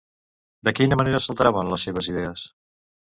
De quina manera s'alteraven les seves idees?